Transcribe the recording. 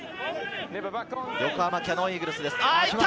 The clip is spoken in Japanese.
横浜キヤノンイーグルス行った！